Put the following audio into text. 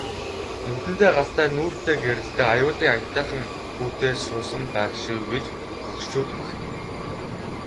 Нүдэндээ галтай нүүртээ гэрэлтэй аюулын аятайхан хүүтэй суусан байх шив гэж хөгшчүүд магтана.